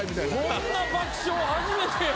こんな爆笑初めてや。